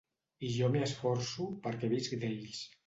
I jo m'hi esforço, perquè visc d'ells.